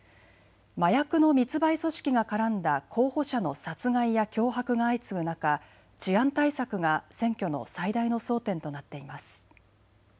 麻薬の密売組織が絡んだ候補者の殺害や脅迫が相次ぐ中、治安対策が選挙の最大の争点となっています。